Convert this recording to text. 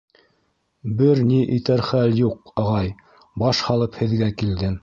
Бер ни итәр хәл юҡ, ағай, баш һалып һеҙгә килдем...